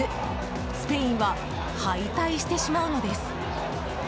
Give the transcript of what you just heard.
スペインは敗退してしまうのです。